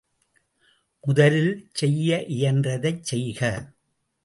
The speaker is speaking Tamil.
முதலில் செய்ய இயன்றதைச் செய்க!